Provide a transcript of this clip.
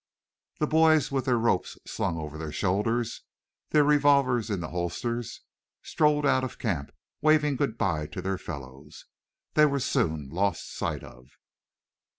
The boys with their ropes slung over their shoulders, their revolvers in the holsters, strode out of camp waving good bye to their fellows. They were soon lost sight of.